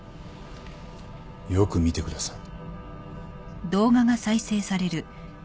よく見てください。